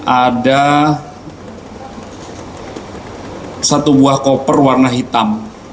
ada satu buah koper warna hitam